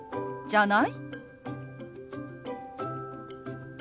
「じゃない？」。